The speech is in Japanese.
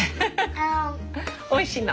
おいしいの？